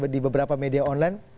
di beberapa media online